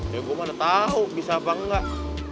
ya gue mana tahu bisa apa enggak